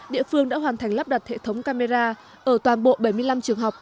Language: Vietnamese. địa phương đã hoàn thành lắp đặt hệ thống camera ở toàn bộ bảy mươi năm trường học